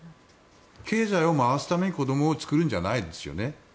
経済を回すために子供を作るんじゃないですよね。